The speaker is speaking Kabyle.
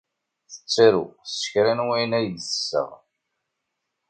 Tettaru s kra n wayen ay d-tessaɣ.